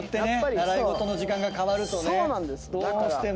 習い事の時間が変わるとねどうしても。